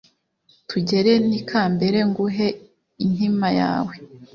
tugere n’ ikambere nguhe inkima yawe